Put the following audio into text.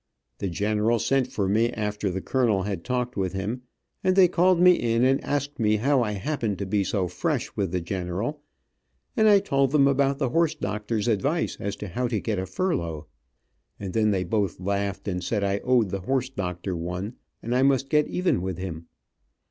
The general sent for me after the colonel had talked with him, and they called me in and asked me how I happened to be so fresh with the general; and I told them about the horse doctors' advice as to how to get a furlough; and then they both laughed, and said I owed the horse doctor one, and I must get even with him.